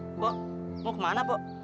mbak mau ke mana mbak